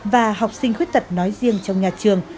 và học sinh khuyết tật nói riêng trong nhà trường